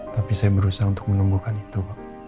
tapi saya berusaha untuk menumbuhkan itu